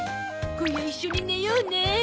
今夜一緒に寝ようね。